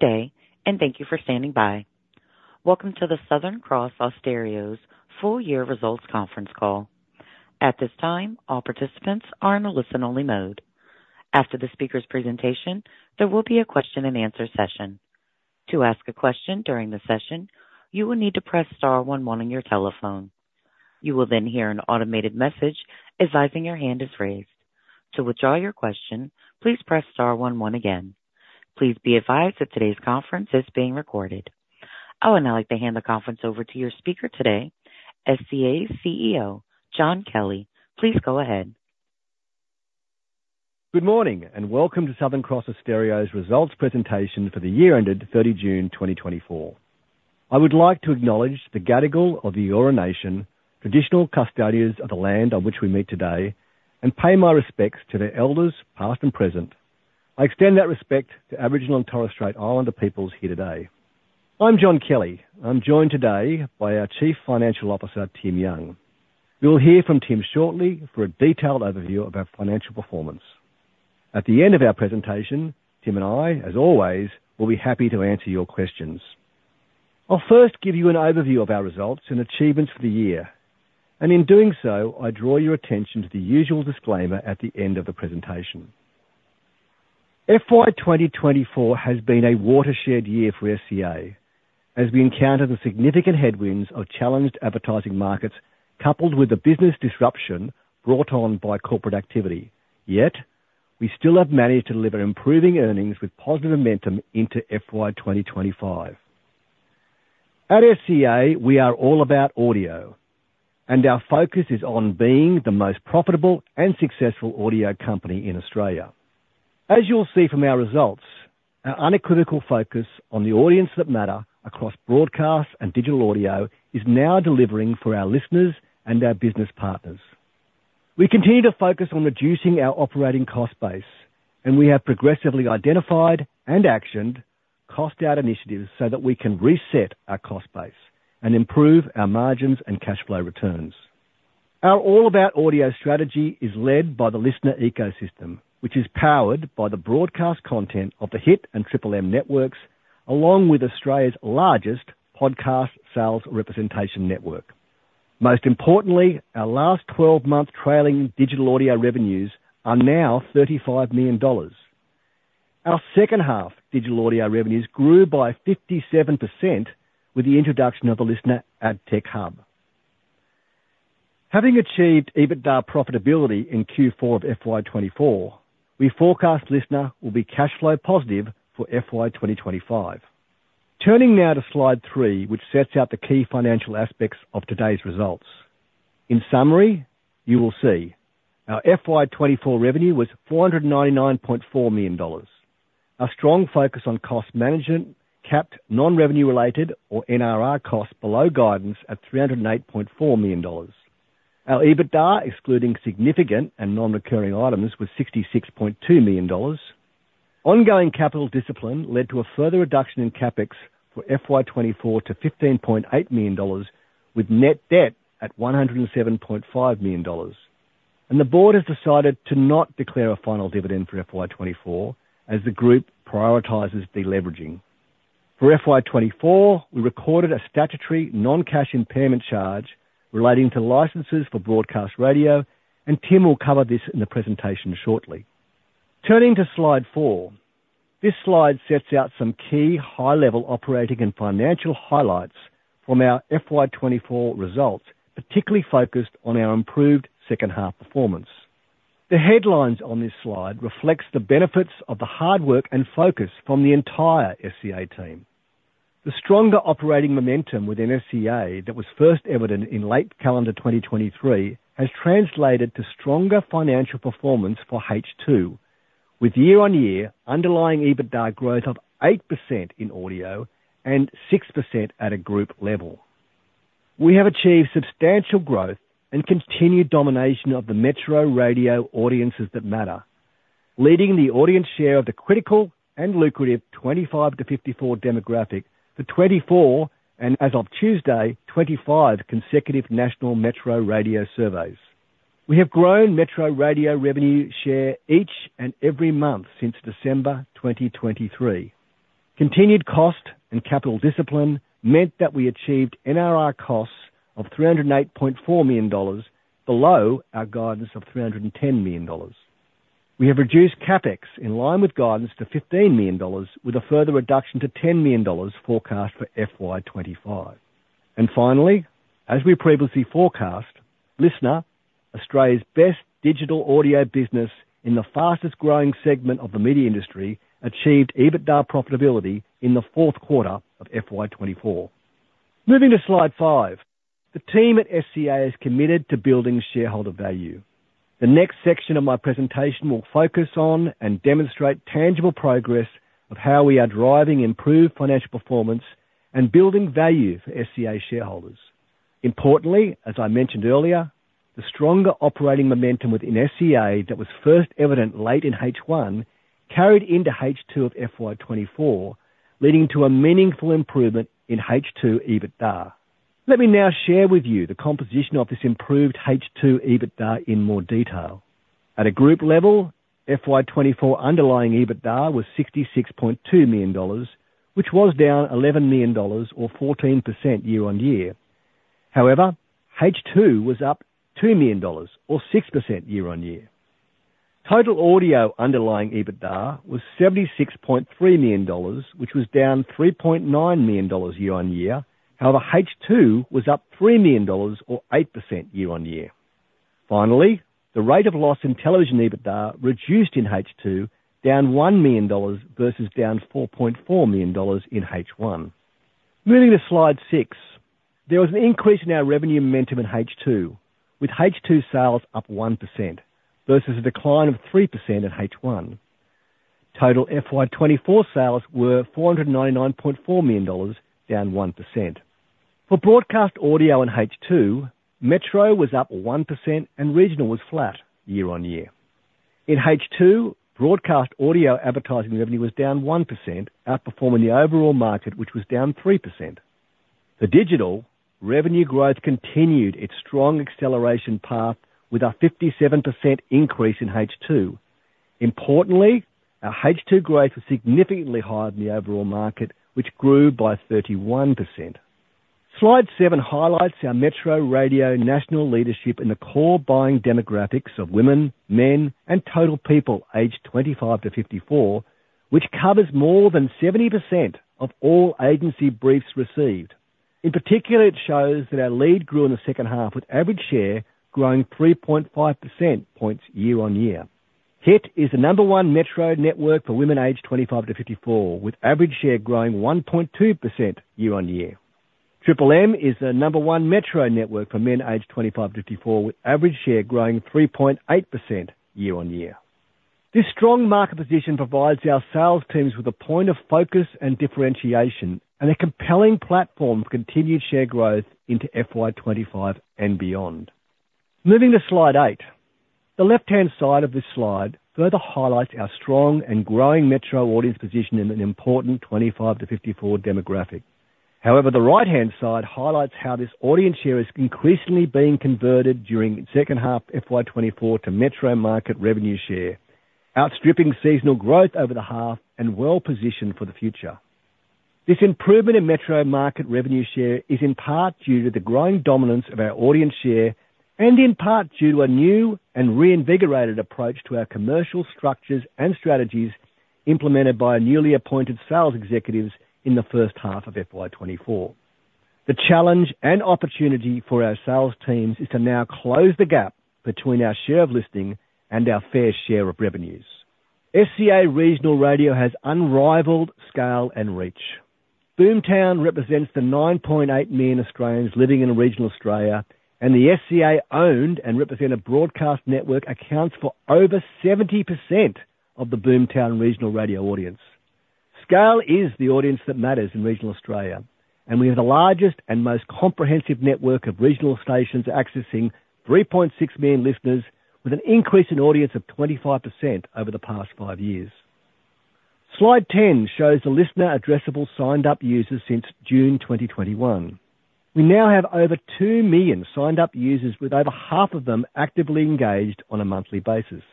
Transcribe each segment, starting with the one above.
Today, thank you for standing by. Welcome to the Southern Cross Austereo's full year results conference call. At this time, all participants are in a listen-only mode. After the speaker's presentation, there will be a question-and-answer session. To ask a question during the session, you will need to press star one one on your telephone. You will then hear an automated message advising your hand is raised. To withdraw your question, please press star one one again. Please be advised that today's conference is being recorded. Oh, I'd like to hand the conference over to your speaker today, SCA CEO John Kelly. Please go ahead. Good morning and welcome to Southern Cross Austereo's results presentation for the year ended 30 June 2024. I would like to acknowledge the Gadigal of the Eora Nation, traditional custodians of the land on which we meet today, and pay my respects to the elders, past and present. I extend that respect to Aboriginal and Torres Strait Islander peoples here today. I'm John Kelly. I'm joined today by our Chief Financial Officer, Tim Young. You'll hear from Tim shortly for a detailed overview of our financial performance. At the end of our presentation, Tim and I, as always, will be happy to answer your questions. I'll first give you an overview of our results and achievements for the year. In doing so, I draw your attention to the usual disclaimer at the end of the presentation. FY 2024 has been a watershed year for SCA as we encounter the significant headwinds of challenged advertising markets, coupled with the business disruption brought on by corporate activity. Yet, we still have managed to deliver improving earnings with positive momentum into FY 2025. At SCA, we are all about audio, and our focus is on being the most profitable and successful audio company in Australia. As you'll see from our results, our unequivocal focus on the audience that matter across broadcast and digital audio is now delivering for our listeners and our business partners. We continue to focus on reducing our operating cost base, and we have progressively identified and actioned cost out initiatives so that we can reset our cost base and improve our margins and cash flow returns. Our all-about-audio strategy is led by the LiSTNR ecosystem, which is powered by the broadcast content of the Hit and Triple M networks, along with Australia's largest podcast sales representation network. Most importantly, our last twelve-month trailing digital audio revenues are now 35 million dollars. Our second-half digital audio revenues grew by 57% with the introduction of the LiSTNR AdTech Hub. Having achieved EBITDA profitability in Q4 of FY 2024, we forecast LiSTNR will be cash flow positive for FY 2025. Turning now to slide three, which sets out the key financial aspects of today's results. In summary, you will see our FY 2024 revenue was 499.4 million dollars. Our strong focus on cost management capped non-revenue related or NRR costs below guidance at 308.4 million dollars. Our EBITDA, excluding significant and non-recurring items, was 66.2 million dollars. Ongoing capital discipline led to a further reduction in CapEx for FY 2024 to 15.8 million dollars, with net debt at 107.5 million dollars. The board has decided to not declare a final dividend for FY 2024 as the group prioritizes deleveraging. For FY 2024, we recorded a statutory non-cash impairment charge relating to licenses for broadcast radio, and Tim will cover this in the presentation shortly. Turning to slide four. This slide sets out some key high-level operating and financial highlights from our FY 2024 results, particularly focused on our improved second half performance. The headlines on this slide reflects the benefits of the hard work and focus from the entire SCA team. The stronger operating momentum within SCA that was first evident in late calendar 2023 has translated to stronger financial performance for H2, with year-on-year underlying EBITDA growth of 8% in audio and 6% at a group level. We have achieved substantial growth and continued domination of the metro radio audiences that matter, leading the audience share of the critical and lucrative 25-54 demographic for 24, and as of Tuesday, 25 consecutive national metro radio surveys. We have grown metro radio revenue share each and every month since December 2023. Continued cost and capital discipline meant that we achieved NRR costs of 308.4 million dollars below our guidance of 310 million dollars. We have reduced CapEx in line with guidance to 15 million dollars, with a further reduction to 10 million dollars forecast for FY 2025. Finally, as we previously forecast, LiSTNR, Australia's best digital audio business in the fastest-growing segment of the media industry, achieved EBITDA profitability in the fourth quarter of FY 2024. Moving to slide five. The team at SCA is committed to building shareholder value. The next section of my presentation will focus on and demonstrate tangible progress of how we are driving improved financial performance and building value for SCA shareholders. Importantly, as I mentioned earlier, the stronger operating momentum within SCA that was first evident late in H1 carried into H2 of FY 2024, leading to a meaningful improvement in H2 EBITDA. Let me now share with you the composition of this improved H2 EBITDA in more detail. At a group level, FY 2024 underlying EBITDA was AUD 66.2 million, which was down AUD 11 million or 14% year-on-year. However, H2 was up AUD 2 million or 6% year-on-year. Total audio underlying EBITDA was AUD 76.3 million, which was down AUD 3.9 million year-on-year. However, H2 was up AUD 3 million or 8% year-on-year. Finally, the rate of loss in television EBITDA reduced in H2, down 1 million dollars versus down 4.4 million dollars in H1. Moving to slide six. There was an increase in our revenue momentum in H2, with H2 sales up 1% versus a decline of 3% in H1. Total FY 2024 sales were AUD 499.4 million, down 1%. For broadcast audio in H2, metro was up 1% and regional was flat year-on-year. In H2, broadcast audio advertising revenue was down 1%, outperforming the overall market, which was down 3%. For digital, revenue growth continued its strong acceleration path with a 57% increase in H2. Importantly, our H2 growth was significantly higher than the overall market, which grew by 31%. Slide seven highlights our metro radio national leadership in the core buying demographics of women, men, and total people aged 25-54, which covers more than 70% of all agency briefs received. In particular, it shows that our lead grew in the second half, with average share growing 3.5 percentage points year-on-year. Hit is the number one metro network for women aged 25-54, with average share growing 1.2% year-on-year. Triple M is the number one metro network for men aged 25-54, with average share growing 3.8% year-on-year. This strong market position provides our sales teams with a point of focus and differentiation, and a compelling platform for continued share growth into FY 2025 and beyond. Moving to slide eight. The left-hand side of this slide further highlights our strong and growing metro audience position in an important 25-54 demographic. However, the right-hand side highlights how this audience share is increasingly being converted during second half FY 2024 to metro market revenue share, outstripping seasonal growth over the half and well-positioned for the future. This improvement in metro market revenue share is in part due to the growing dominance of our audience share and in part due to a new and reinvigorated approach to our commercial structures and strategies implemented by our newly appointed sales executives in the first half of FY 2024. The challenge and opportunity for our sales teams is to now close the gap between our share of listening and our fair share of revenues. SCA Regional Radio has unrivaled scale and reach. Boomtown represents the 9.8 million Australians living in regional Australia, and the SCA-owned and represented broadcast network accounts for over 70% of the Boomtown regional radio audience. Scale is the audience that matters in regional Australia, and we have the largest and most comprehensive network of regional stations accessing 3.6 million listeners with an increase in audience of 25% over the past 5 years. Slide 10 shows the LiSTNR addressable signed-up users since June 2021. We now have over 2 million signed-up users, with over half of them actively engaged on a monthly basis.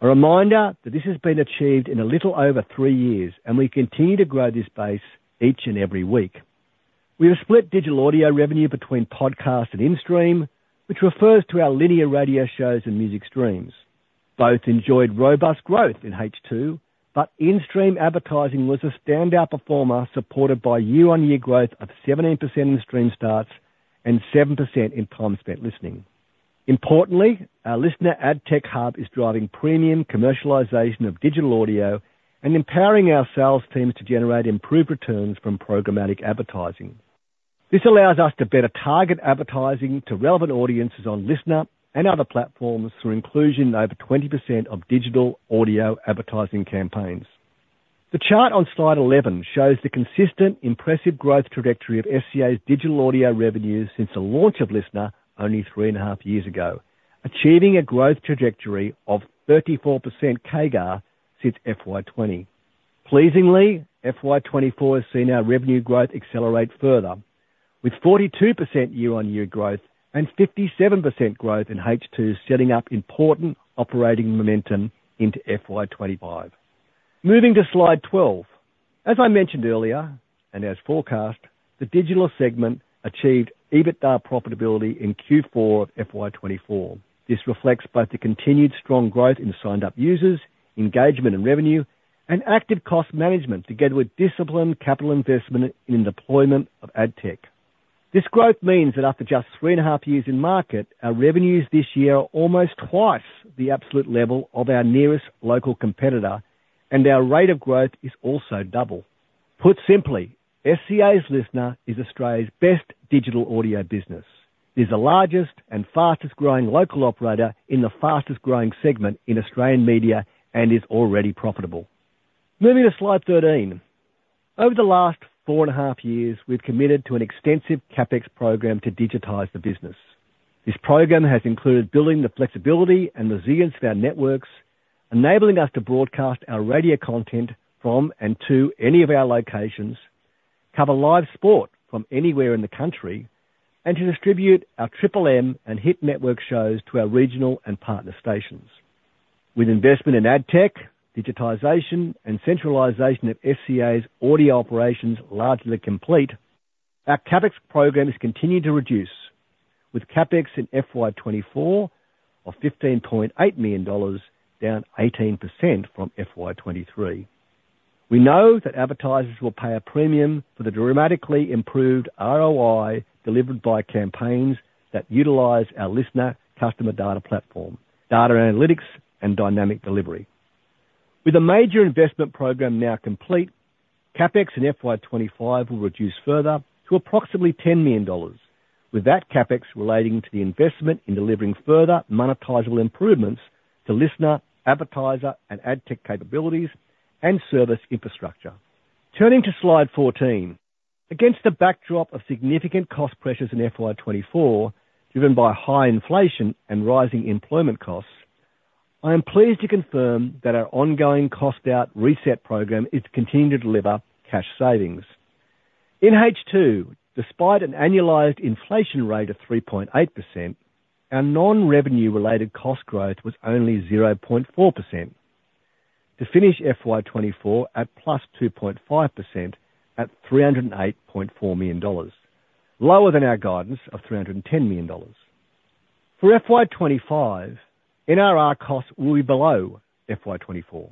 A reminder that this has been achieved in a little over 3 years, and we continue to grow this base each and every week. We have split digital audio revenue between podcast and in-stream, which refers to our linear radio shows and music streams. Both enjoyed robust growth in H2, but in-stream advertising was a standout performer, supported by year-on-year growth of 17% in stream starts and 7% in time spent listening. Importantly, our LiSTNR AdTech Hub is driving premium commercialization of digital audio and empowering our sales teams to generate improved returns from programmatic advertising. This allows us to better target advertising to relevant audiences on LiSTNR and other platforms for inclusion in over 20% of digital audio advertising campaigns. The chart on slide 11 shows the consistent impressive growth trajectory of SCA's digital audio revenues since the launch of LiSTNR only three and a half years ago. Achieving a growth trajectory of 34% CAGR since FY 2020. Pleasingly, FY 2024 has seen our revenue growth accelerate further, with 42% year-on-year growth and 57% growth in H2 setting up important operating momentum into FY 2025. Moving to slide 12. As I mentioned earlier, and as forecast, the digital segment achieved EBITDA profitability in Q4 of FY 2024. This reflects both the continued strong growth in signed-up users, engagement and revenue, and active cost management together with disciplined capital investment in deployment of ad tech. This growth means that after just 3.5 years in market, our revenues this year are almost twice the absolute level of our nearest local competitor, and our rate of growth is also double. Put simply, SCA's LiSTNR is Australia's best digital audio business. It is the largest and fastest-growing local operator in the fastest-growing segment in Australian media and is already profitable. Moving to slide 13. Over the last 4.5 years, we've committed to an extensive CapEx program to digitize the business. This program has included building the flexibility and resilience of our networks, enabling us to broadcast our radio content from and to any of our locations, cover live sport from anywhere in the country, and to distribute our Triple M and Hit Network shows to our regional and partner stations. With investment in ad tech, digitization, and centralization of SCA's audio operations largely complete, our CapEx program has continued to reduce, with CapEx in FY 2024 of 15.8 million dollars, down 18% from FY 2023. We know that advertisers will pay a premium for the dramatically improved ROI delivered by campaigns that utilize our LiSTNR Customer Data Platform, data analytics, and dynamic delivery. With a major investment program now complete, CapEx in FY 2025 will reduce further to approximately 10 million dollars. With that CapEx relating to the investment in delivering further monetizable improvements to listener, advertiser, and ad tech capabilities, and service infrastructure. Turning to slide 14. Against a backdrop of significant cost pressures in FY 2024, driven by high inflation and rising employment costs, I am pleased to confirm that our ongoing cost out reset program is continuing to deliver cash savings. In H2, despite an annualized inflation rate of 3.8%, our non-revenue related cost growth was only 0.4%. To finish FY 2024 at +2.5% at 308.4 million dollars, lower than our guidance of 310 million dollars. For FY 2025, NRR costs will be below FY 2024.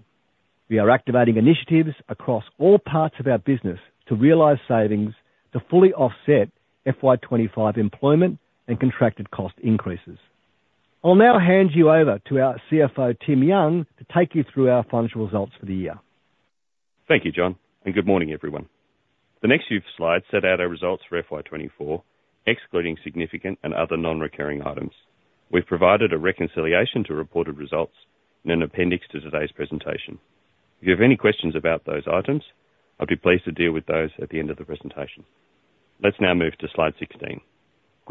We are activating initiatives across all parts of our business to realize savings to fully offset FY 2025 employment and contracted cost increases. I'll now hand you over to our CFO, Tim Young, to take you through our financial results for the year. Thank you, John, and good morning, everyone. The next few slides set out our results for FY 2024, excluding significant and other non-recurring items. We've provided a reconciliation to reported results in an appendix to today's presentation. If you have any questions about those items, I'll be pleased to deal with those at the end of the presentation. Let's now move to slide 16.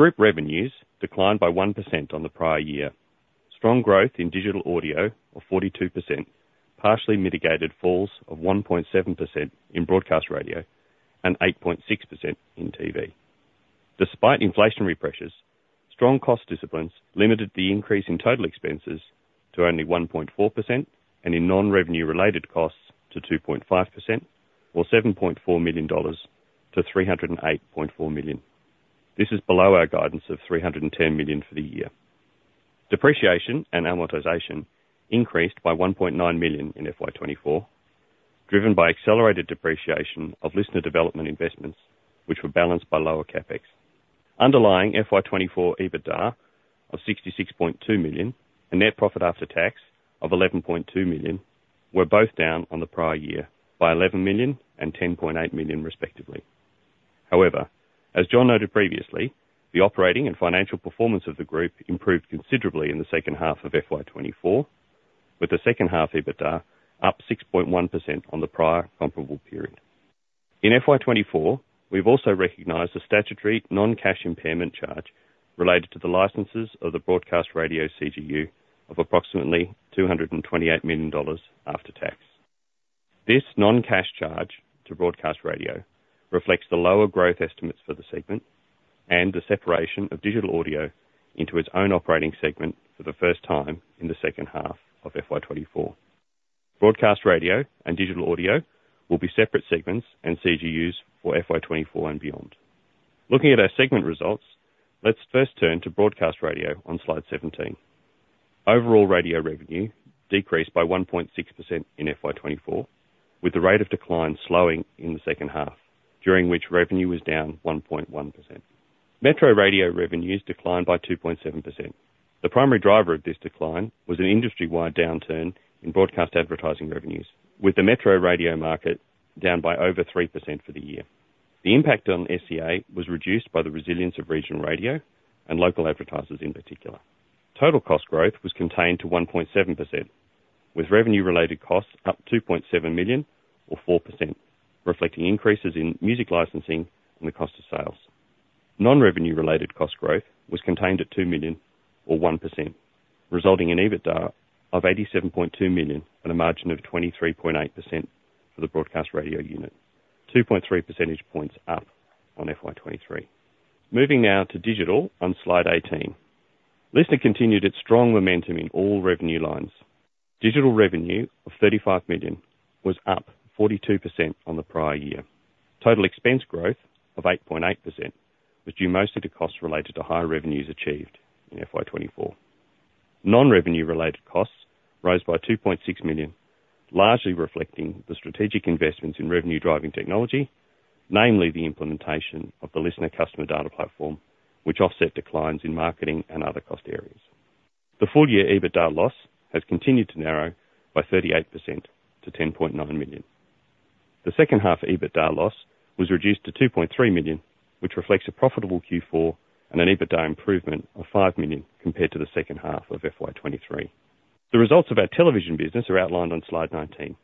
Group revenues declined by 1% on the prior year. Strong growth in digital audio of 42%, partially mitigated falls of 1.7% in broadcast radio and 8.6% in TV. Despite inflationary pressures, strong cost disciplines limited the increase in total expenses to only 1.4% and in non-revenue related costs to 2.5% or 7.4 million dollars to 308.4 million. This is below our guidance of 310 million for the year. Depreciation and amortization increased by 1.9 million in FY 2024, driven by accelerated depreciation of listener development investments, which were balanced by lower CapEx. Underlying FY 2024 EBITDA of 66.2 million and net profit after tax of 11.2 million were both down on the prior year by 11 million and 10.8 million respectively. However, as John noted previously, the operating and financial performance of the group improved considerably in the second half of FY 2024, with the second half EBITDA up 6.1% on the prior comparable period. In FY 2024, we've also recognized a statutory non-cash impairment charge related to the licenses of the broadcast radio CGU of approximately 228 million dollars after tax. This non-cash charge to Broadcast Radio reflects the lower growth estimates for the segment and the separation of Digital Audio into its own operating segment for the first time in the second half of FY 2024. Broadcast Radio and Digital Audio will be separate segments and CGUs for FY 2024 and beyond. Looking at our segment results, let's first turn to Broadcast Radio on slide 17. Overall radio revenue decreased by 1.6% in FY 2024, with the rate of decline slowing in the second half, during which revenue was down 1.1%. Metro Radio revenues declined by 2.7%. The primary driver of this decline was an industry-wide downturn in broadcast advertising revenues, with the metro radio market down by over 3% for the year. The impact on SCA was reduced by the resilience of Regional Radio and local advertisers in particular. Total cost growth was contained to 1.7%, with revenue-related costs up 2.7 million or 4%, reflecting increases in music licensing and the cost of sales. Non-revenue related cost growth was contained at 2 million or 1%, resulting in EBITDA of 87.2 million on a margin of 23.8% for the broadcast radio unit, 2.3 percentage points up on FY 2023. Moving now to digital on slide 18. LiSTNR continued its strong momentum in all revenue lines. Digital revenue of 35 million was up 42% on the prior year. Total expense growth of 8.8% was due mostly to costs related to higher revenues achieved in FY 2024. Non-revenue related costs rose by 2.6 million, largely reflecting the strategic investments in revenue-driving technology, namely the implementation of the LiSTNR Customer Data Platform, which offset declines in marketing and other cost areas. The full year EBITDA loss has continued to narrow by 38% to 10.9 million. The second half EBITDA loss was reduced to 2.3 million, which reflects a profitable Q4 and an EBITDA improvement of 5 million compared to the second half of FY 2023. The results of our television business are outlined on slide 19.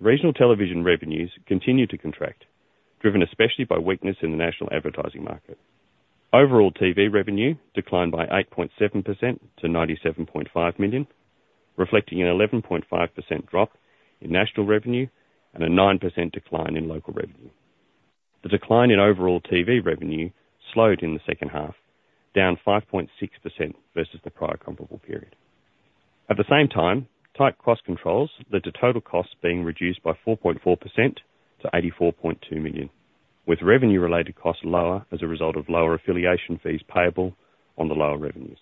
Regional television revenues continue to contract, driven especially by weakness in the national advertising market. Overall TV revenue declined by 8.7% to 97.5 million, reflecting an 11.5% drop in national revenue and a 9% decline in local revenue. The decline in overall TV revenue slowed in the second half, down 5.6% versus the prior comparable period. At the same time, tight cost controls led to total costs being reduced by 4.4% to 84.2 million, with revenue-related costs lower as a result of lower affiliation fees payable on the lower revenues.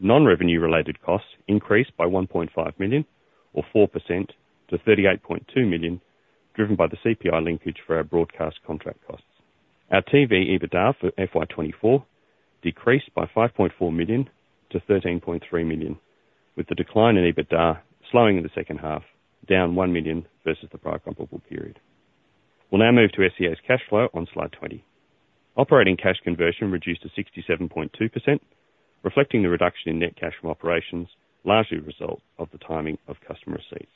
Non-revenue-related costs increased by 1.5 million or 4% to 38.2 million, driven by the CPI linkage for our broadcast contract costs. Our TV EBITDA for FY 2024 decreased by 5.4 million to 13.3 million, with the decline in EBITDA slowing in the second half, down 1 million versus the prior comparable period. We'll now move to SCA's cash flow on slide 20. Operating cash conversion reduced to 67.2%, reflecting the reduction in net cash from operations, largely a result of the timing of customer receipts.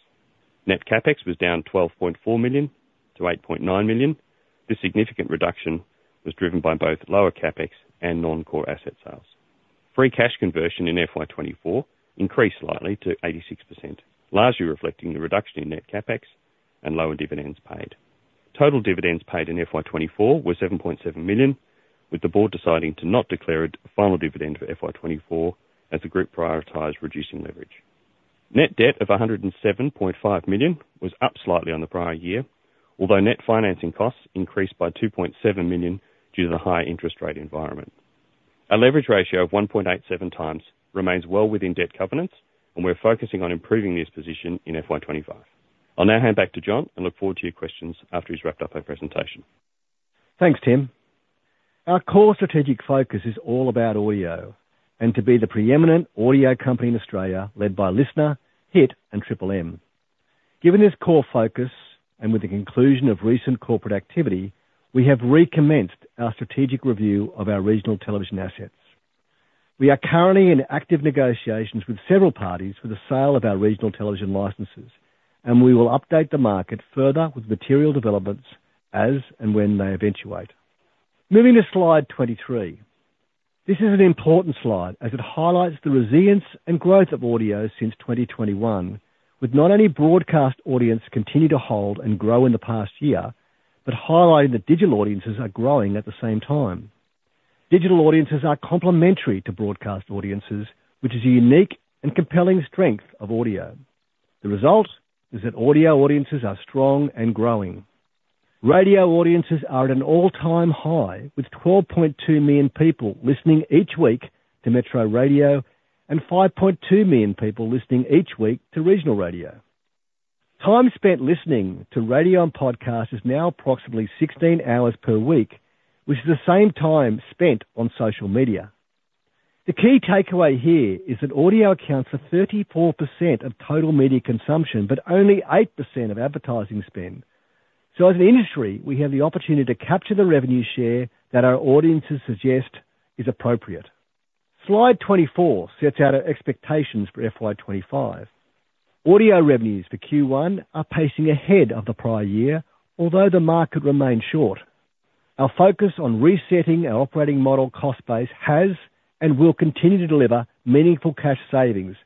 Net CapEx was down 12.4 million to 8.9 million. This significant reduction was driven by both lower CapEx and non-core asset sales. Free cash conversion in FY 2024 increased slightly to 86%, largely reflecting the reduction in net CapEx and lower dividends paid. Total dividends paid in FY 2024 were 7.7 million, with the board deciding to not declare a final dividend for FY 2024 as the group prioritized reducing leverage. Net debt of 107.5 million was up slightly on the prior year, although net financing costs increased by 2.7 million due to the high interest rate environment. Our leverage ratio of 1.87 times remains well within debt covenants, and we're focusing on improving this position in FY 2025. I'll now hand back to John and look forward to your questions after he's wrapped up our presentation. Thanks, Tim. Our core strategic focus is all about audio and to be the preeminent audio company in Australia led by LiSTNR, Hit, and Triple M. Given this core focus and with the conclusion of recent corporate activity, we have recommenced our strategic review of our regional television assets. We are currently in active negotiations with several parties for the sale of our regional television licenses, and we will update the market further with material developments as and when they eventuate. Moving to slide 23. This is an important slide as it highlights the resilience and growth of audio since 2021, with not only broadcast audiences continue to hold and grow in the past year, but highlighting that digital audiences are growing at the same time. Digital audiences are complementary to broadcast audiences, which is a unique and compelling strength of audio. The result is that audio audiences are strong and growing. Radio audiences are at an all-time high, with 12.2 million people listening each week to metro radio and 5.2 million people listening each week to regional radio. Time spent listening to radio and podcasts is now approximately 16 hours per week, which is the same time spent on social media. The key takeaway here is that audio accounts for 34% of total media consumption, but only 8% of advertising spend. As an industry, we have the opportunity to capture the revenue share that our audiences suggest is appropriate. Slide 24 sets out our expectations for FY 2025. Audio revenues for Q1 are pacing ahead of the prior year, although the market remains short. Our focus on resetting our operating model cost base has and will continue to deliver meaningful cash savings,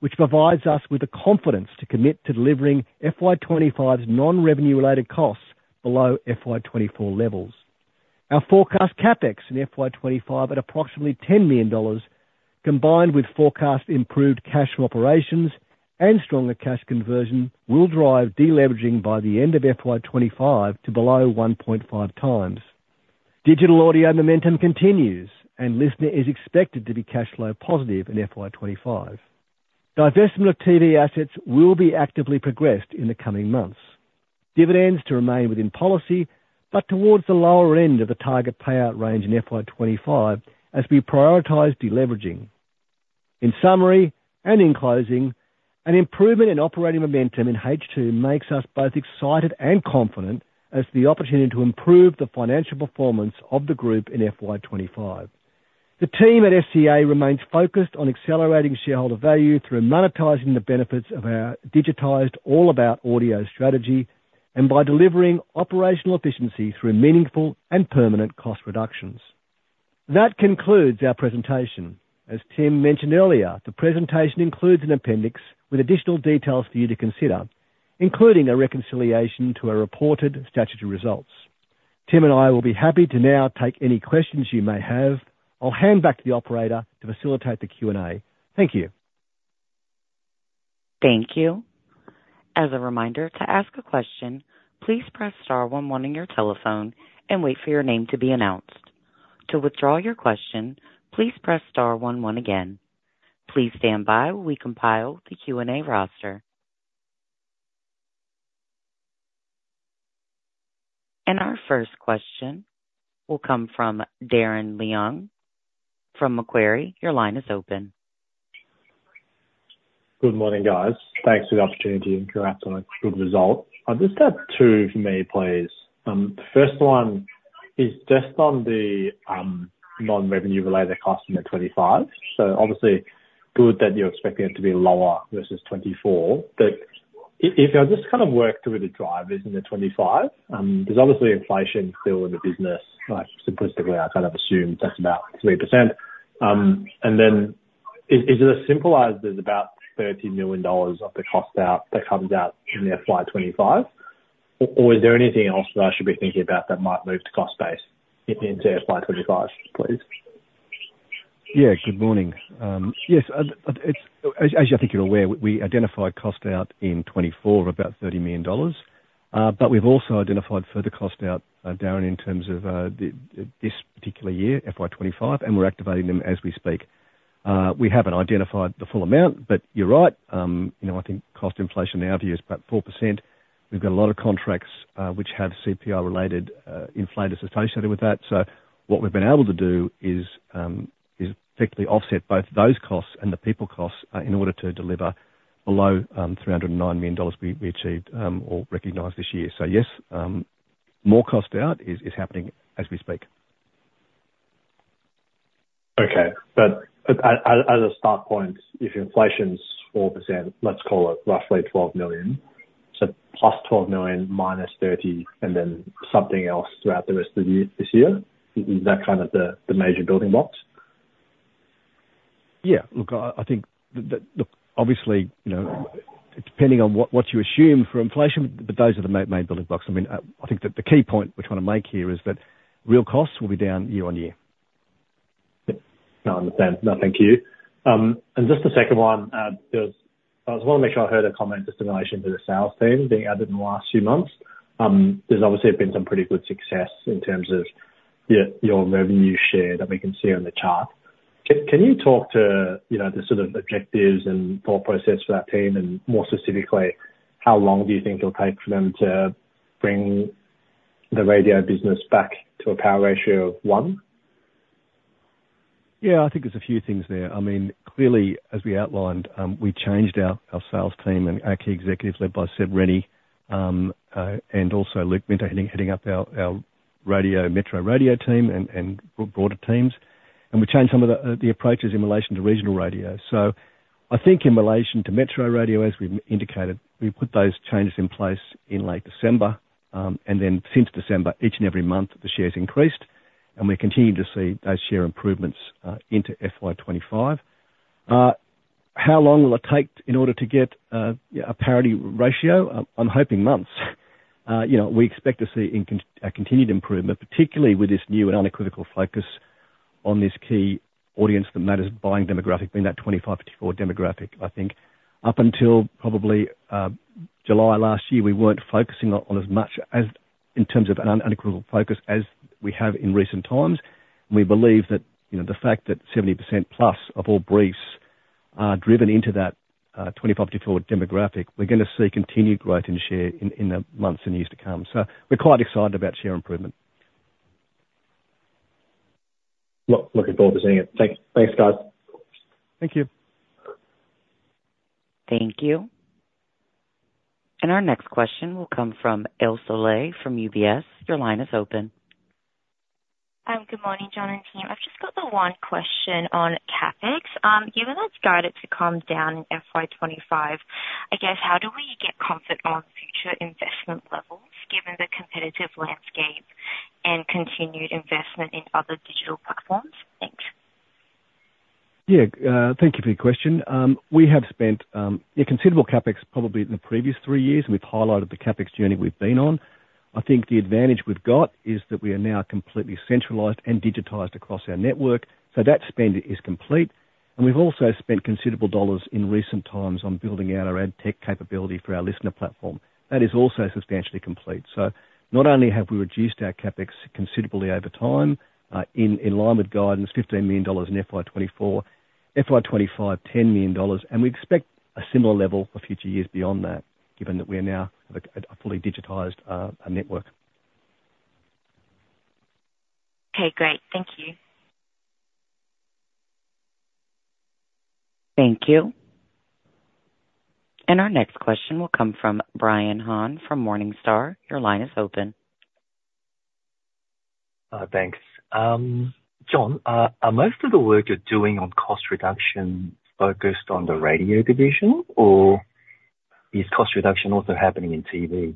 which provides us with the confidence to commit to delivering FY 2025's non-revenue-related costs below FY 2024 levels. Our forecast CapEx in FY 2025 at approximately AUD 10 million, combined with forecast improved cash from operations and stronger cash conversion, will drive deleveraging by the end of FY 2025 to below 1.5 times. Digital audio momentum continues, and LiSTNR is expected to be cash flow positive in FY 2025. Divestment of TV assets will be actively progressed in the coming months. Dividends to remain within policy, but towards the lower end of the target payout range in FY 2025 as we prioritize deleveraging. In summary and in closing, an improvement in operating momentum in H2 makes us both excited and confident as to the opportunity to improve the financial performance of the group in FY 2025. The team at SCA remains focused on accelerating shareholder value through monetizing the benefits of our digitized all-about-audio strategy and by delivering operational efficiency through meaningful and permanent cost reductions. That concludes our presentation. As Tim mentioned earlier, the presentation includes an appendix with additional details for you to consider, including a reconciliation to our reported statutory results. Tim and I will be happy to now take any questions you may have. I'll hand back to the operator to facilitate the Q&A. Thank you. Thank you. As a reminder, to ask a question, please press star one one on your telephone and wait for your name to be announced. To withdraw your question, please press star one one again. Please stand by while we compile the Q&A roster. Our first question will come from Darren Leung from Macquarie. Your line is open. Good morning, guys. Thanks for the opportunity and congrats on a good result. I just have two for me, please. The first one is just on the non-recurring costs in 2025. Obviously good that you're expecting it to be lower versus 2024. If I just kind of work through the drivers in the 2025, there's obviously inflation still in the business. Like, simplistically, I kind of assume that's about 3%. Is it as simple as there's about 30 million dollars of the cost out that comes out in FY 2025? Is there anything else that I should be thinking about that might move to cost base into FY 2025, please? Yeah. Good morning. As I think you're aware, we identified cost out in 2024 about 30 million dollars. But we've also identified further cost out, Darren, in terms of this particular year, FY 2025, and we're activating them as we speak. We haven't identified the full amount, but you're right. You know, I think cost inflation in our view is about 4%. We've got a lot of contracts which have CPI related inflators associated with that. What we've been able to do is effectively offset both those costs and the people costs in order to deliver below 309 million dollars we achieved or recognized this year. Yes, more cost out is happening as we speak. Okay. As a start point, if inflation's 4%, let's call it roughly 12 million. Plus 12 million minus 30 million and then something else throughout the rest of the year, this year. Is that kind of the major building blocks? Yeah. Look, I think that, look, obviously, you know, depending on what you assume for inflation, but those are the main building blocks. I mean, I think that the key point we're trying to make here is that real costs will be down year on year. No, I understand. No, thank you. Just the second one. I just wanna make sure I heard a comment just in relation to the sales team being added in the last few months. There's obviously been some pretty good success in terms of your revenue share that we can see on the chart. Can you talk to, you know, the sort of objectives and thought process for that team? More specifically, how long do you think it'll take for them to bring the radio business back to a power ratio of one? Yeah, I think there's a few things there. I mean, clearly, as we outlined, we changed our sales team and our key executives led by Seb Rennie, and also Luke Winter heading up our radio, metro radio team and broader teams. We changed some of the approaches in relation to regional radio. I think in relation to metro radio, as we've indicated, we put those changes in place in late December. Since December, each and every month, the shares increased, and we continue to see those share improvements into FY 2025. How long will it take in order to get EBITDA parity ratio? I'm hoping months. You know, we expect to see a continued improvement, particularly with this new and unequivocal focus on this key audience that matters buying demographic, being that 25-44 demographic. I think up until probably July last year, we weren't focusing on as much as in terms of an unequivocal focus as we have in recent times. We believe that, you know, the fact that 70% plus of all briefs are driven into that 25-44 demographic, we're gonna see continued growth in share in the months and years to come. We're quite excited about share improvement. Look, looking forward to seeing it. Thanks. Thanks, guys. Thank you. Thank you. Our next question will come from Elsa Lei from UBS. Your line is open. Good morning, John and team. I've just got the one question on CapEx. Given that it's guided to come down in FY 2025, I guess, how do we get comfort on future investment levels given the competitive landscape and continued investment in other digital platforms? Thanks. Yeah. Thank you for your question. We have spent a considerable CapEx probably in the previous three years, and we've highlighted the CapEx journey we've been on. I think the advantage we've got is that we are now completely centralized and digitized across our network. That spend is complete. We've also spent considerable dollars in recent times on building out our ad tech capability for our listener platform. That is also substantially complete. Not only have we reduced our CapEx considerably over time, in line with guidance, 15 million dollars in FY 2024, FY 2025, 10 million dollars, and we expect a similar level for future years beyond that, given that we are now a fully digitized network. Okay. Great. Thank you. Thank you. Our next question will come from Brian Han from Morningstar. Your line is open. Thanks. John, are most of the work you're doing on cost reduction focused on the radio division, or is cost reduction also happening in TV?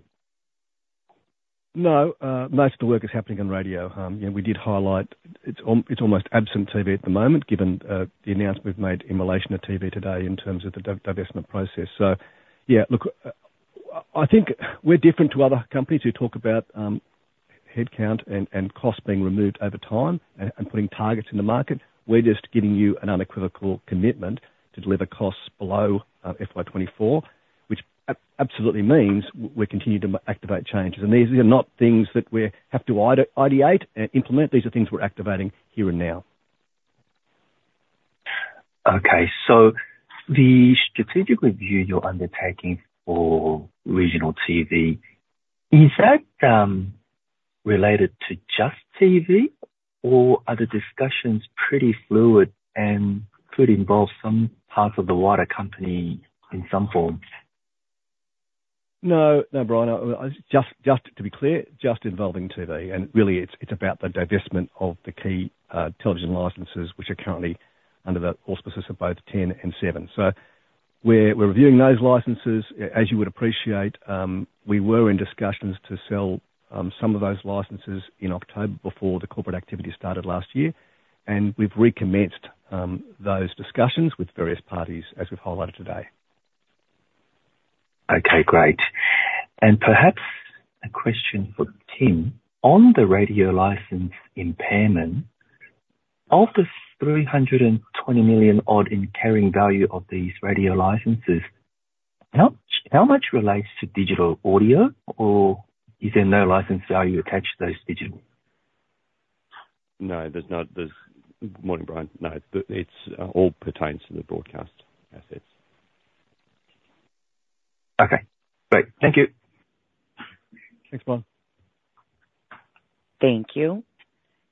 No. Most of the work is happening in radio. You know, we did highlight it's almost absent TV at the moment, given the announcement we've made in relation to TV today in terms of the divestment process. Yeah. Look, I think we're different to other companies who talk about headcount and costs being removed over time and putting targets in the market. We're just giving you an unequivocal commitment to deliver costs below FY 2024, which absolutely means we continue to activate changes. These are not things that we have to ideate and implement. These are things we're activating here and now. Okay. The strategic review you're undertaking for regional TV, is that related to just TV or are the discussions pretty fluid and could involve some parts of the wider company in some form? No, no, Brian. Just to be clear, just involving TV and really it's about the divestment of the key television licenses which are currently under the auspices of both Ten and Seven. We're reviewing those licenses. As you would appreciate, we were in discussions to sell some of those licenses in October before the corporate activity started last year, and we've recommenced those discussions with various parties as we've highlighted today. Okay, great. Perhaps a question for Tim. On the radio license impairment, of the 320 million-odd in carrying value of these radio licenses, how much relates to digital audio, or is there no license value attached to those digital? No, there's not. Morning, Brian. No, it's all pertains to the broadcast assets. Okay, great. Thank you. Thanks, Brian. Thank you.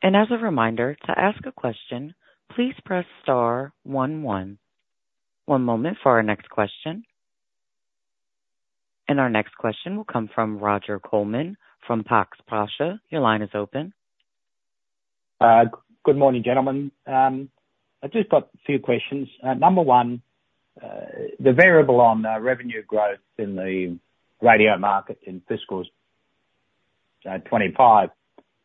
As a reminder to ask a question, please press star one one. One moment for our next question. Our next question will come from Roger Colman from Pax Pasha. Your line is open. Good morning, gentlemen. I've just got a few questions. Number one, the variable on revenue growth in the radio market in fiscal 2025,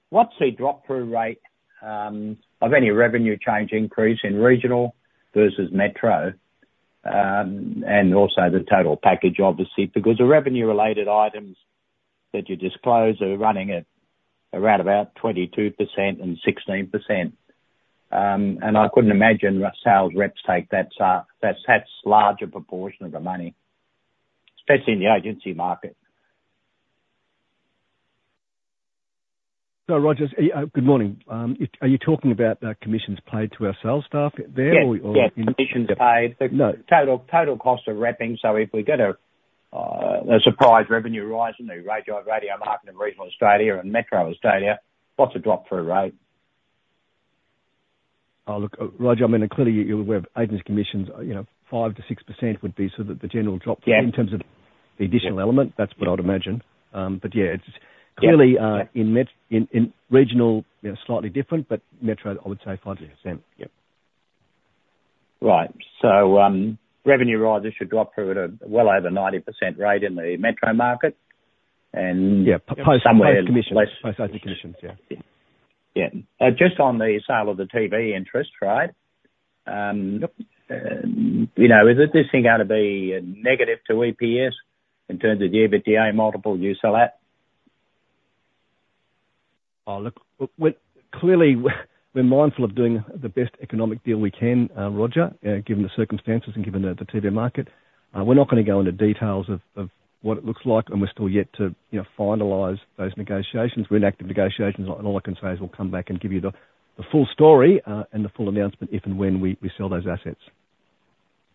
what's the drop-through rate of any revenue change increase in regional versus metro, and also the total package, obviously? Because the revenue-related items that you disclose are running at around about 22% and 16%. I couldn't imagine the sales reps take that larger proportion of the money, especially in the agency market. Roger, good morning. Are you talking about the commissions paid to our sales staff there or in- Yes. Yes, commissions paid. No. Total cost of repping. If we get a surprise revenue rise in the radio market in regional Australia and metro Australia, what's the drop-through rate? Oh, look, Roger, I mean, clearly you're aware of agency commissions, you know, 5%-6% would be sort of the general drop. Yeah. Through in terms of the additional element. That's what I'd imagine. Yeah, it's Yeah. Clearly, in regional, you know, slightly different, but metro, I would say 5%. Yep. Revenue rises should flow through at a well over 90% rate in the metro market. Yeah. Post commissions. Somewhere less. Post agency commissions. Yeah. Yeah. Just on the sale of the TV interest, right? Yep. You know, is this thing gonna be negative to EPS in terms of the EBITDA multiple you sell at? Oh, look, we're clearly mindful of doing the best economic deal we can, Roger, given the circumstances and given the TV market. We're not gonna go into details of what it looks like, and we're still yet to, you know, finalize those negotiations. We're in active negotiations, and all I can say is we'll come back and give you the full story and the full announcement if and when we sell those assets.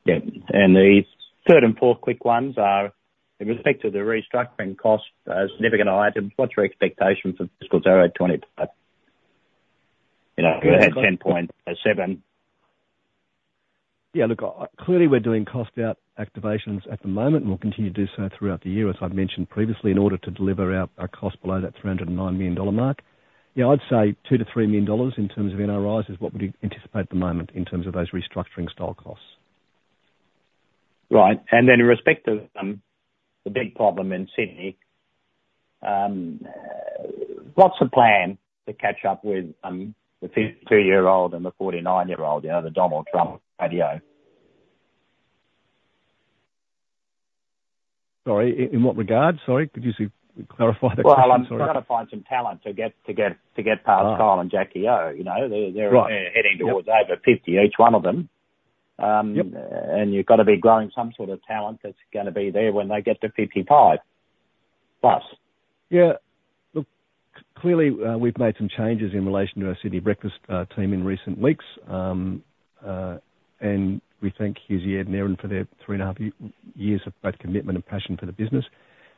The third and fourth quick ones are in respect to the restructuring costs, significant items. What's your expectation for fiscal 2025? You know, at 10.7. Yeah, look, clearly we're doing cost out activations at the moment, and we'll continue to do so throughout the year, as I've mentioned previously, in order to deliver out our cost below that AUD 309 million mark. Yeah, I'd say 2 million-3 million dollars in terms of NRIs is what we anticipate at the moment in terms of those restructuring style costs. Right. In respect to the big problem in Sydney, what's the plan to catch up with the 52-year-old and the 49-year-old, you know, the Donald Trump of radio? Sorry, in what regard? Sorry, could you clarify the question? Sorry. Well, you've got to find some talent to get past Kyle and Jackie O. You know, they're Right. They're heading towards over 50, each one of them. Yep. You've got to be growing some sort of talent that's gonna be there when they get to 55+. Yeah. Look, clearly, we've made some changes in relation to our Sydney breakfast team in recent weeks. We thank Hughesy, Ed, and Erin for their 3.5 years of both commitment and passion for the business.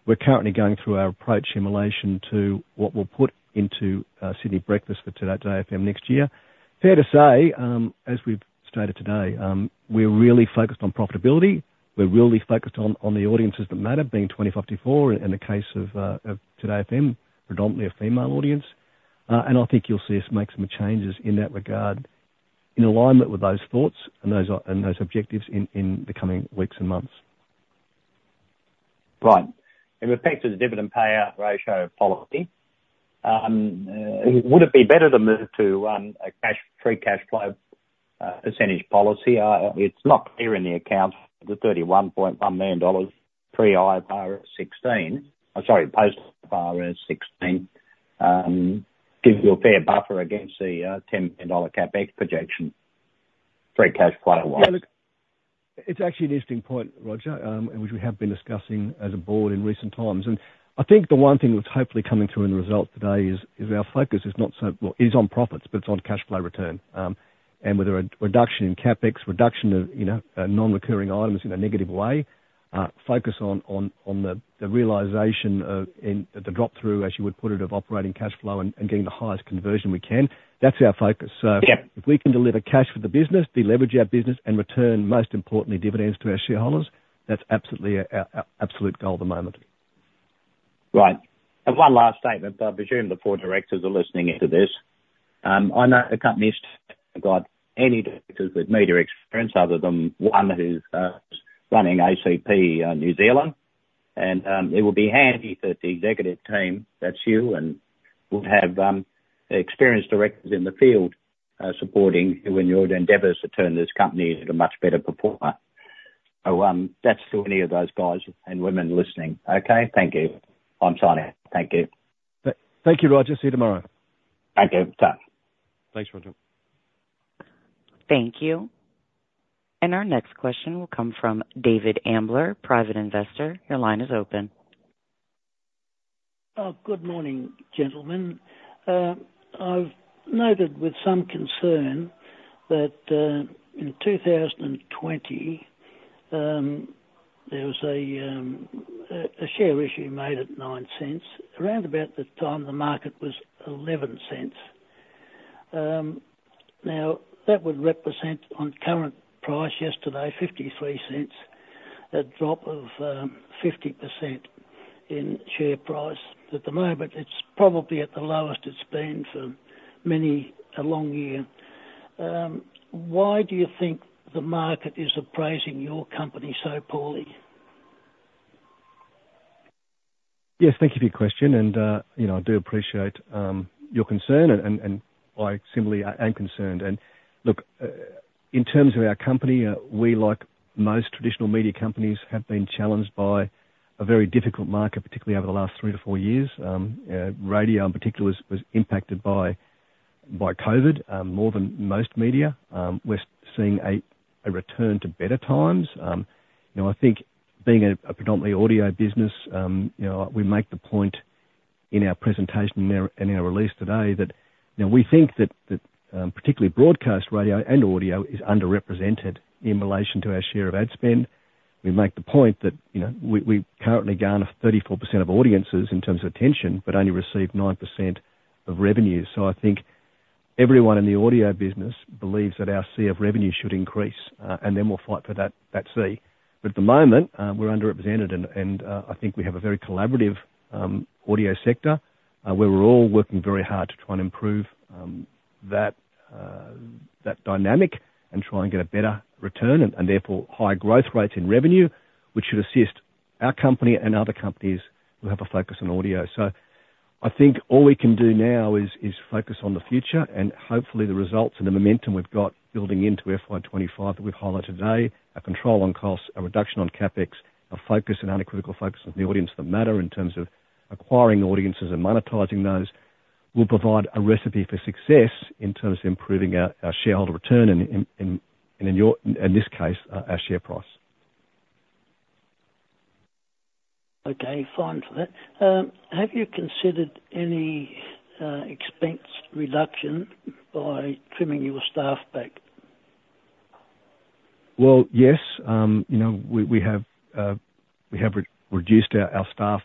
We're currently going through our approach in relation to what we'll put into Sydney breakfast for 2Day FM next year. Fair to say, as we've stated today, we're really focused on profitability. We're really focused on the audiences that matter, being 25-54, in the case of 2Day FM, predominantly a female audience. I think you'll see us make some changes in that regard in alignment with those thoughts and those objectives in the coming weeks and months. Right. In respect to the dividend payout ratio policy, would it be better to move to a cash free cash flow percentage policy? It's not clear in the accounts. The 31.1 million dollars post-IFRS 16 gives you a fair buffer against the 10 million dollar CapEx projection, free cash flow-wise. Yeah, look, it's actually an interesting point, Roger, which we have been discussing as a board in recent times. I think the one thing that's hopefully coming through in the result today is our focus is on profits, but it's on cash flow return. With a reduction in CapEx, reduction of non-recurring items in a negative way, focus on the realization of and the drop-through, as you would put it, of operating cash flow and getting the highest conversion we can. That's our focus. Yeah. If we can deliver cash for the business, deleverage our business, and return, most importantly, dividends to our shareholders, that's absolutely our absolute goal at the moment. Right. One last statement, I presume the four directors are listening in to this. I know the company hasn't got any directors with media experience other than one who's running ACP New Zealand. It will be handy if the executive team, that's you, would have experienced directors in the field supporting you in your endeavors to turn this company into a much better performer. That's to any of those guys and women listening. Okay. Thank you. I'm signing out. Thank you. Thank you, Roger. See you tomorrow. Thank you John. Thanks, Roger. Thank you. Our next question will come from David Ambler, Private Investor. Your line is open. Good morning, gentlemen. I've noted with some concern that in 2020 there was a share issue made at 0.09, around about the time the market was 0.11. Now, that would represent on current price yesterday 0.53, a drop of 50% in share price. At the moment, it's probably at the lowest it's been for many a long year. Why do you think the market is appraising your company so poorly? Yes, thank you for your question and, you know, I do appreciate your concern and I similarly am concerned. Look, in terms of our company, we like most traditional media companies have been challenged by a very difficult market, particularly over the last 3-4 years. Radio in particular was impacted by COVID more than most media. We're seeing a return to better times. You know, I think being a predominantly audio business, you know, we make the point in our presentation there and in our release today that, you know, we think that particularly broadcast radio and audio is underrepresented in relation to our share of ad spend. We make the point that, you know, we currently garner 34% of audiences in terms of attention, but only receive 9% of revenue. I think everyone in the audio business believes that our share of revenue should increase, and then we'll fight for that share. At the moment, we're underrepresented and I think we have a very collaborative audio sector, where we're all working very hard to try and improve that dynamic and try and get a better return and therefore higher growth rates in revenue, which should assist our company and other companies who have a focus on audio. I think all we can do now is focus on the future and hopefully the results and the momentum we've got building into FY 2025 that we've highlighted today, a control on costs, a reduction on CapEx, a focus and analytical focus on the audience that matter in terms of acquiring audiences and monetizing those will provide a recipe for success in terms of improving our shareholder return and in this case, our share price. Okay, fine for that. Have you considered any expense reduction by trimming your staff back? Well, yes, you know, we have reduced our staff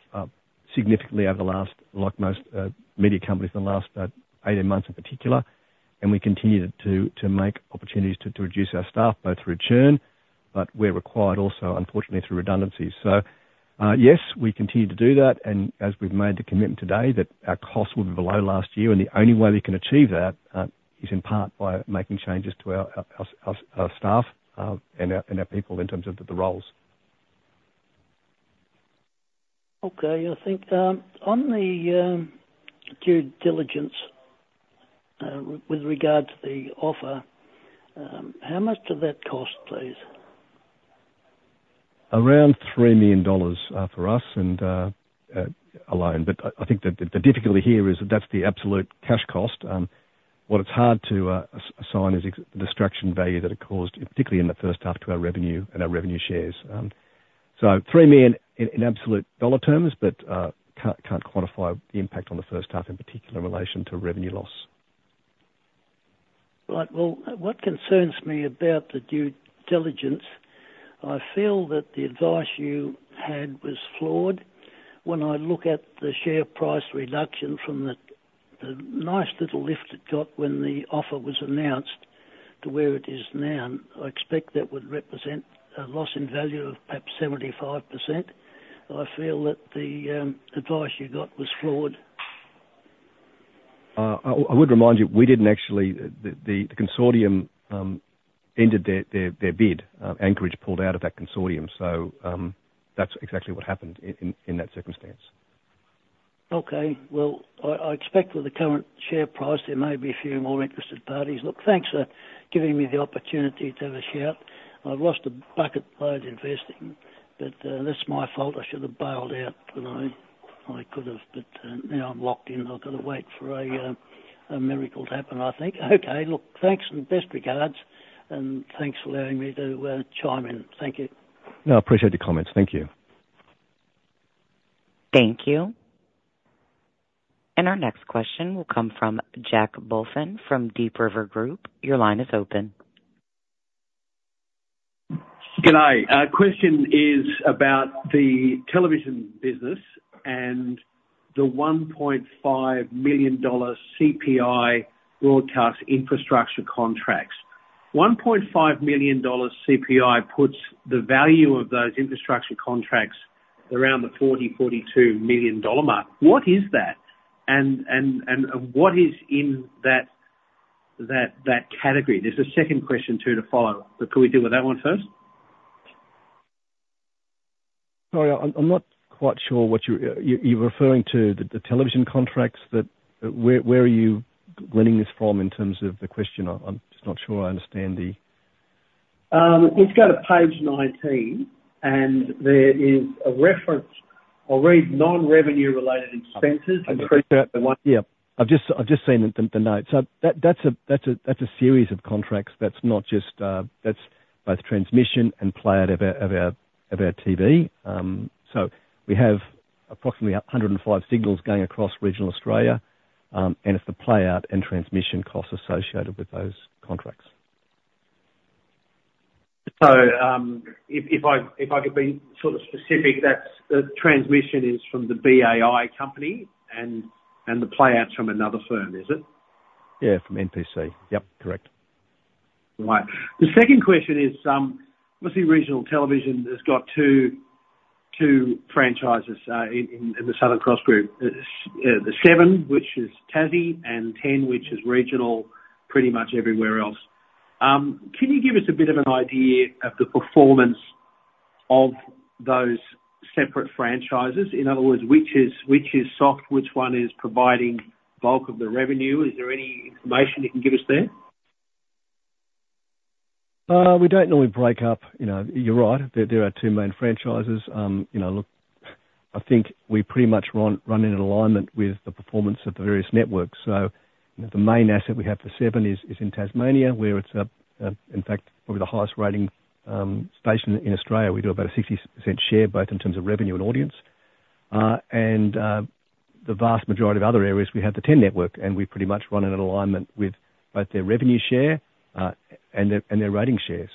significantly, like most media companies, over the last 18 months in particular. We continue to take opportunities to reduce our staff, both through churn, but we're required also, unfortunately, through redundancies. Yes, we continue to do that, and as we've made the commitment today that our costs will be below last year, and the only way we can achieve that is in part by making changes to our staff and our people in terms of the roles. Okay. I think on the due diligence with regard to the offer, how much did that cost, please? Around 3 million dollars for us and alone. I think the difficulty here is that that's the absolute cash cost. What it's hard to assign is the distraction value that it caused, particularly in the first half to our revenue and our revenue shares. 3 million in absolute dollar terms, but can't quantify the impact on the first half in particular in relation to revenue loss. Right. Well, what concerns me about the due diligence, I feel that the advice you had was flawed. When I look at the share price reduction from the nice little lift it got when the offer was announced to where it is now, I expect that would represent a loss in value of perhaps 75%. I feel that the advice you got was flawed. I would remind you, we didn't actually. The consortium ended their bid. Anchorage pulled out of that consortium. That's exactly what happened in that circumstance. Okay. Well, I expect with the current share price there may be a few more interested parties. Look, thanks for giving me the opportunity to have a shout. I've lost a bucket load investing, but that's my fault. I should have bailed out when I could have. Now I'm locked in. I've got to wait for a miracle to happen, I think. Okay. Look, thanks and best regards. Thanks for allowing me to chime in. Thank you. No, I appreciate your comments. Thank you. Thank you. Our next question will come from Jack Bulfin from Deep River Group. Your line is open. G'day. Our question is about the television business and the 1.5 million dollar CPI broadcast infrastructure contracts. 1.5 million dollars CPI puts the value of those infrastructure contracts around the 40 million-42 million dollar mark. What is that? And what is in that category? There's a second question to follow, but could we deal with that one first? Sorry, I'm not quite sure what you're referring to. The television contracts that. Where are you getting this from in terms of the question? I'm just not sure I understand. If you go to page 19 and there is a reference. I'll read non-revenue related expenses. Yeah. I've just seen the note. That's a series of contracts. That's both transmission and playout of our TV. We have approximately 105 signals going across regional Australia, and it's the playout and transmission costs associated with those contracts. If I could be sort of specific, that's the transmission is from the BAI company and the playout's from another firm, is it? Yeah. From NPC. Yep. Correct. Right. The second question is, obviously regional television has got two franchises in the Southern Cross group. The Seven, which is Tassie, and Ten, which is regional, pretty much everywhere else. Can you give us a bit of an idea of the performance of those separate franchises? In other words, which is soft, which one is providing bulk of the revenue? Is there any information you can give us there? We don't normally break up, you know. You're right, there are two main franchises. You know, look, I think we pretty much run in alignment with the performance of the various networks. The main asset we have for Seven is in Tasmania, where it's in fact probably the highest rating station in Australia. We do about a 60% share, both in terms of revenue and audience. The vast majority of other areas, we have the Ten network, and we pretty much run in alignment with both their revenue share and their rating share.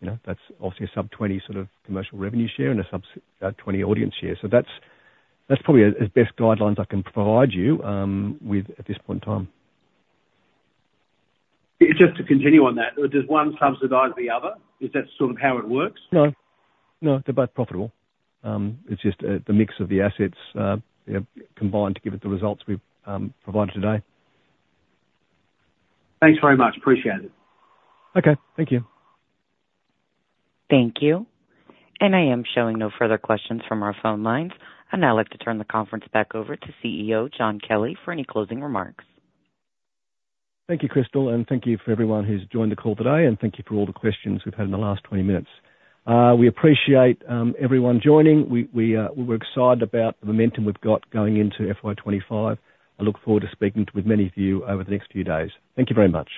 You know, that's obviously a sub-20 sort of commercial revenue share and a sub-20 audience share. That's probably as best guidelines I can provide you with at this point in time. Just to continue on that. Does one subsidize the other? Is that sort of how it works? No. No, they're both profitable. It's just the mix of the assets, you know, combined to give it the results we've provided today. Thanks very much. Appreciate it. Okay. Thank you. Thank you. I am showing no further questions from our phone lines. I'd now like to turn the conference back over to CEO John Kelly for any closing remarks. Thank you, Crystal. Thank you for everyone who's joined the call today. Thank you for all the questions we've had in the last 20 minutes. We appreciate everyone joining. We're excited about the momentum we've got going into FY 2025. I look forward to speaking with many of you over the next few days. Thank you very much.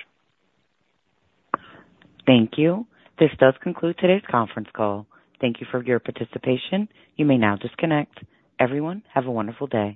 Thank you. This does conclude today's conference call. Thank you for your participation. You may now disconnect. Everyone, have a wonderful day.